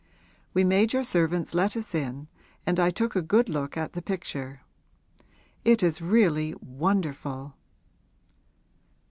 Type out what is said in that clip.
We made your servants let us in and I took a good look at the picture. It is really wonderful!'